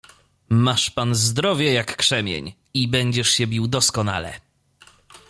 "Masz pan zdrowie, jak krzemień, i będziesz się bił doskonale."